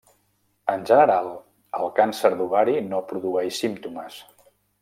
En general, el càncer d'ovari no produeix símptomes.